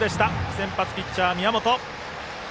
先発ピッチャー、宮本。